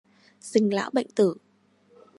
Sinh lão bệnh tử